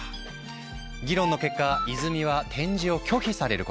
議論の結果「泉」は展示を拒否されることに。